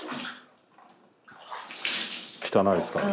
汚いですからね。